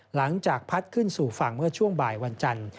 หลังจากพัดขึ้นสู่ฝั่งเมื่อช่วงบ่ายวันจันทร์